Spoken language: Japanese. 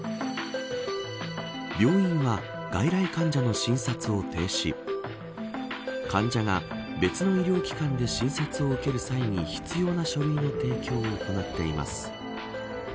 病院は外来患者の診察を停止患者が別の医療機関で診察を受ける際に必要な書類の提供を行っています。